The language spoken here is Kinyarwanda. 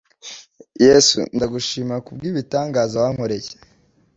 yesu ndagushima kubw'ibitangaza wankoreye